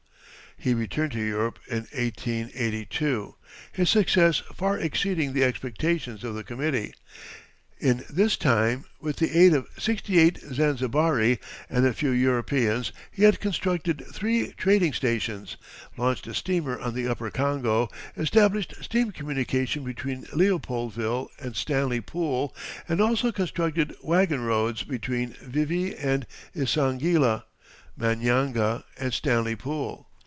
[Illustration: Finding Nelson in Distress at Starvation Camp.] He returned to Europe in 1882, his success far exceeding the expectations of the committee. In this time, with the aid of sixty eight Zanzibari and a few Europeans, he had constructed three trading stations, launched a steamer on the Upper Congo, established steam communication between Leopoldville and Stanley Pool, and also constructed wagon roads between Vivi and Isangila, Manyanga and Stanley Pool.